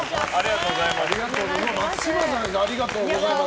松嶋さんありがとうございます。